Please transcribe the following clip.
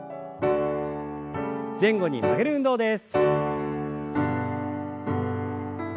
前後に曲げる運動です。